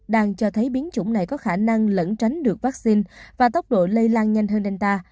đang cho thấy biến chủng này có khả năng lẫn tránh được vaccine và tốc độ lây lan nhanh hơn nên ta